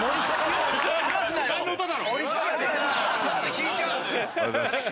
引いちゃうんすか？